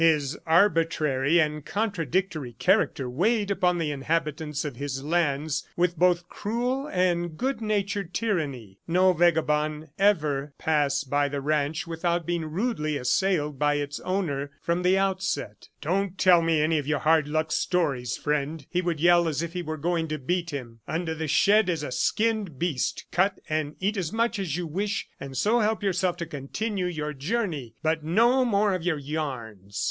His arbitrary and contradictory character weighed upon the inhabitants of his lands with both cruel and good natured tyranny. No vagabond ever passed by the ranch without being rudely assailed by its owner from the outset. "Don't tell me any of your hard luck stories, friend," he would yell as if he were going to beat him. "Under the shed is a skinned beast; cut and eat as much as you wish and so help yourself to continue your journey. ... But no more of your yarns!"